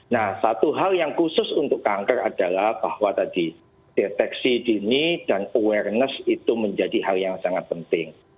nah satu hal yang khusus untuk kanker adalah bahwa tadi deteksi dini dan awareness itu menjadi hal yang sangat penting